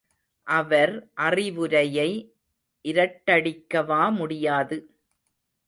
அவர் அறிவுரையை இருட்டடிக்கவா முடியாது?